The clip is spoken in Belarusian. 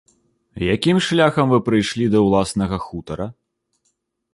Якім шляхам вы прыйшлі да ўласнага хутара?